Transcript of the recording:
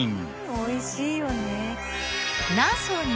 おいしいよね。